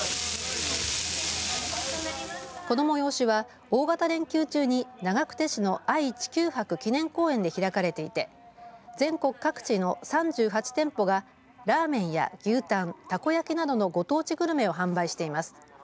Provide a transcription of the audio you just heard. この催しは大型連休中に長久手市の愛・地球博記念公園で開かれていて全国各地の３８店舗がラーメンや牛タンたこ焼きなどのご当地グルメを販売しています。